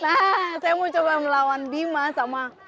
nah saya mau coba melawan bima sama